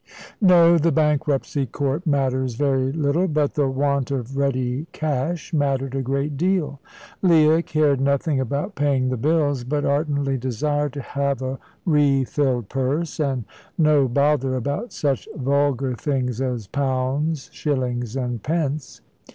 No; the bankruptcy court matters very little, but the want of ready cash mattered a great deal. Leah cared nothing about paying the bills, but ardently desired to have a re filled purse and no bother about such vulgar things as pounds, shillings, and pence.